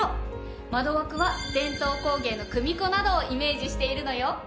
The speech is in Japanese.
窓枠は伝統工芸の組子などをイメージしているのよ。